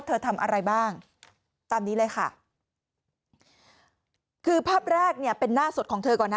เธอทำอะไรบ้างตามนี้เลยค่ะคือภาพแรกเนี่ยเป็นหน้าสดของเธอก่อนนะ